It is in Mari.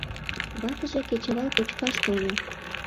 Ватыже кечывал кочкаш тольо.